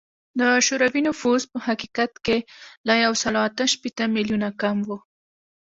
د شوروي نفوس په حقیقت کې له یو سل اته شپیته میلیونه کم و